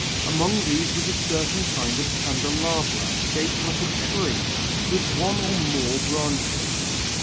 Among these was a certain kind of candelabra shaped like a tree with one or more branches.